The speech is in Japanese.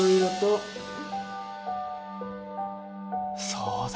そうだ。